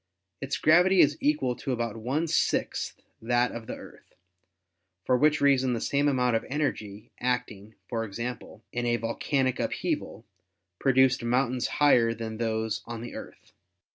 Its gravity is equal to about one sixth that of the Earth, for which reason the same amount of energy acting, for example, in a vol canic upheaval, produced mountains higher than those on the Earth.